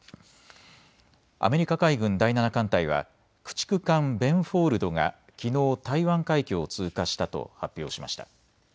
アメリカ海軍第７艦隊は駆逐艦ベンフォールドがきのう台湾海峡を通過したと発表しました。